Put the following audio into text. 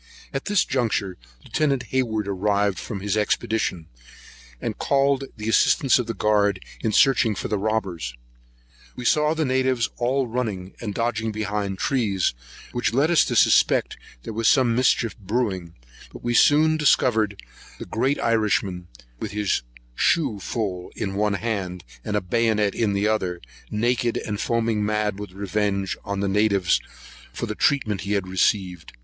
At this juncture Lieut. Hayward arrived from his expedition, and called the assistance of the guard in searching for the robbers. We saw the natives all running, and dodging behind the trees, which led us to suspect there was some mischief brewing; but we soon discovered the great Irishman, with his shoe full in one hand, and a bayonet in the other, naked and foaming mad with revenge on the natives, for the treatment he had received.